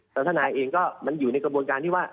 แต่ทนายเองก็มันอยู่ในกระบวนการที่ว่า